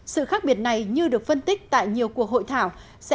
sự khác biệt này như được phân tích tại nhiều cuộc hội thảo